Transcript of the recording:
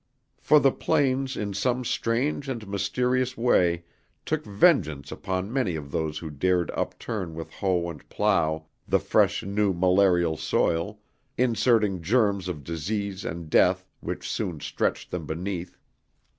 For the plains in some strange and mysterious way took vengeance upon many of those who dared upturn with hoe and plough the fresh new malarial soil, inserting germs of disease and death which soon stretched them beneath.